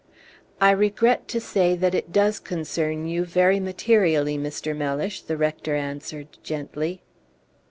"I regret to say that it does concern you very materially, Mr. Mellish," the rector answered, gently.